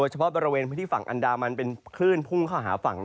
เฉพาะบริเวณพื้นที่ฝั่งอันดามันเป็นคลื่นพุ่งเข้าหาฝั่ง